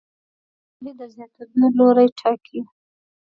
وده د پوهې د زیاتېدو لوری ټاکي.